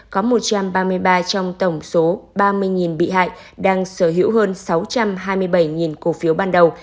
có một trăm ba mươi ba trong tổng số ba mươi bị hại đang sở hữu hơn sáu trăm hai mươi bảy cổ phiếu ban đầu